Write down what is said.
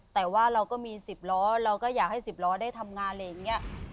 แต่ว่าเราก็มี๑๐ล้อเราก็อยากให้๑๐ล้อได้ทำงานอะไรอย่างนี้